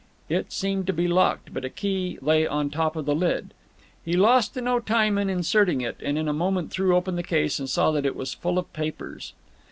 It seemed to be locked, but a key lay on the top of the lid. He lost no time in inserting it, and in a moment threw open the case and saw that it was full of papers.